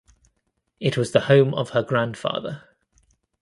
It was the home of her grandfather.